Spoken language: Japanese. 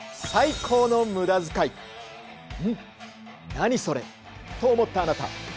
何それ？」と思ったあなた。